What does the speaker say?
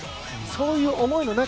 そういう思いの中